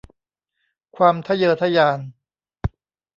ความทะเยอทะยาน